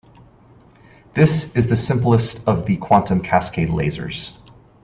This is the simplest of the quantum cascade lasers.